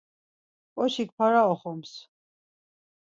K̆oçik para oxums.